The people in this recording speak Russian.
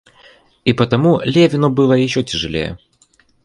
И потому Левину было еще тяжелее.